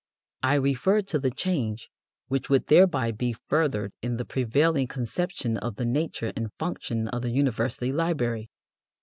I refer to the change which would thereby be furthered in the prevailing conception of the nature and function of the university library.